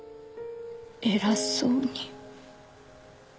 偉そうに